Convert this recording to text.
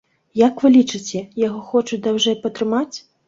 Як вы лічыце, яго хочуць даўжэй патрымаць?